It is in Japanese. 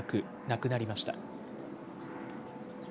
亡くなりました。